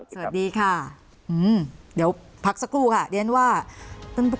สวัสดีค่ะเดี๋ยวพักสักครู่ค่ะเดี๋ยวนั้นว่า